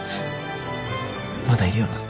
まだいるよな？